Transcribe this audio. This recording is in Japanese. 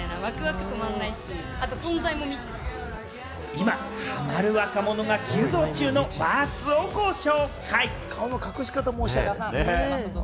今、ハマる若者が急増中のＷｕｒｔＳをご紹介。